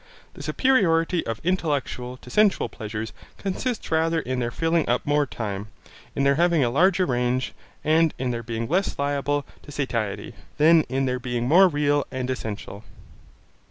The superiority of intellectual to sensual pleasures consists rather in their filling up more time, in their having a larger range, and in their being less liable to satiety, than in their being more real and essential.